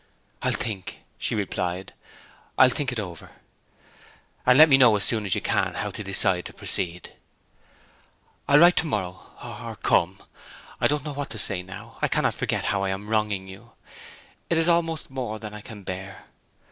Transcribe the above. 'I'll think,' replied she. 'I'll think it over.' 'And let me know as soon as you can how you decide to proceed.' 'I will write to morrow, or come. I do not know what to say now. I cannot forget how I am wronging you. This is almost more than I can bear!'